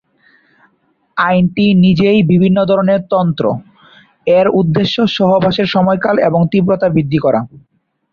আইনটি নিজেই বিভিন্ন ধরণের তন্ত্র, এর উদ্দেশ্য সহবাসের সময়কাল এবং তীব্রতা বৃদ্ধি করা।